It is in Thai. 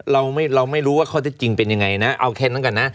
เราไม่เราไม่รู้ว่าเขาได้จริงเป็นยังไงน่ะเอาแค่นั้นกันน่ะ